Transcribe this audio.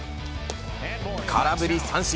空振り三振。